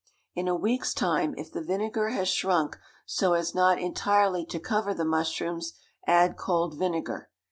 In a week's time, if the vinegar has shrunk so as not entirely to cover the mushrooms, add cold vinegar.